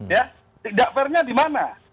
ya tidak fair nya dimana